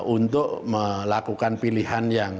untuk melakukan pilihan yang